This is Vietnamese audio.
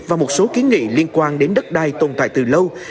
và một số kiến nghị liên quan đến đất đai tồn tại từ lâu